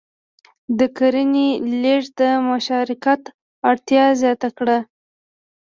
د کرنې لېږد د مشارکت اړتیا زیاته کړه.